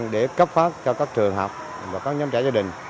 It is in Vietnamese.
để cấp phát cho các trường học và các nhóm trẻ gia đình